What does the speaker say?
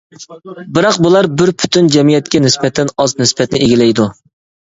بىراق بۇلار بىر پۈتۈن جەمئىيەتكە نىسبەتەن ئاز نىسبەتنى ئىگىلەيدۇ.